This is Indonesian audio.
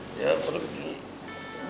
jangan pergi aku sayang